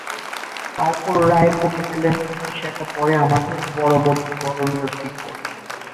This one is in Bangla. তারপরও রায়ের কপি পেলে সেটা পড়ে আমাদের পরবর্তী করণীয় ঠিক করব।